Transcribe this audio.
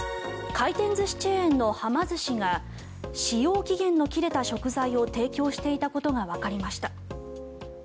回転寿司チェーンのはま寿司が使用期限の切れた食材を提供していたことがわかりました。